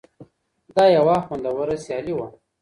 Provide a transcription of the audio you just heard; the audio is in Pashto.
دا یوه خوندوره سیالي وه.